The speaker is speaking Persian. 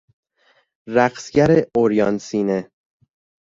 رقصگر عریان سینه